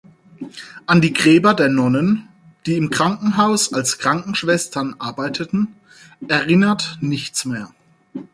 An die Gräber der Nonnen, die im Krankenhaus als Krankenschwestern arbeiteten, erinnert nichts mehr.